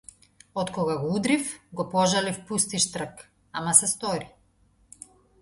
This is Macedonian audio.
Откога го удрив, го пожалив пусти штрк, ама се стори.